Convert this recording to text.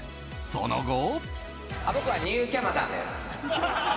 その後。